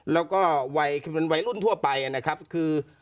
แล้วก็วัยเป็นวัยรุ่นทั่วไปนะครับคือ